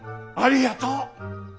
ありがとう。